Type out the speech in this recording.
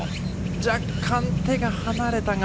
若干、手が離れたが。